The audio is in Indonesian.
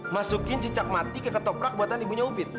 masukin cicak mati ke ketoprak buatan ibunya ubid